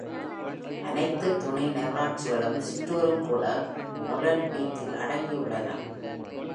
அனைத்து துணை நகராட்சிகளும், சிற்றூரும் கூட Molenbeek-இல் அடங்கியுள்ளன.